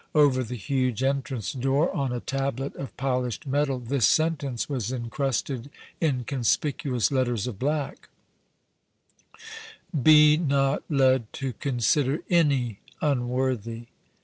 Over the huge entrance door on a tablet of polished metal this sentence was incrusted in conspicuous letters of black: "Be Not Led to Consider Any Unworthy!"